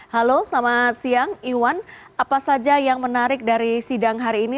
halo selamat siang iwan apa saja yang menarik dari sidang hari ini